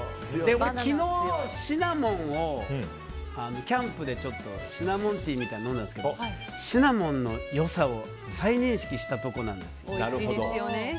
昨日、シナモンをキャンプでシナモンティーを飲んだんですけどシナモンの良さを再認識したところなんですよ。